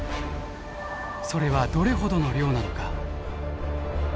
それはどれほどの量なのか。